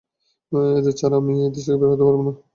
এদের ছাড়া আমি এই দেশ থেকে বের হতে পারব না।